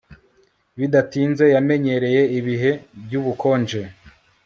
Bidatinze yamenyereye ibihe byubukonje